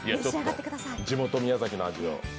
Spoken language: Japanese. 地元・宮崎の味を。